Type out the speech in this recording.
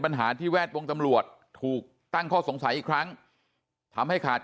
ปัญหาที่แวดวงตำรวจถูกตั้งข้อสงสัยอีกครั้งทำให้ขาด